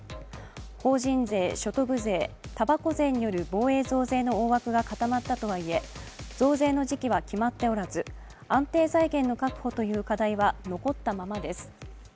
法人税、所得税、たばこ税による防衛増税の大枠が固まったとはいえ増税の時期は決まっておらず安定財源の確保という課題は残ったままです。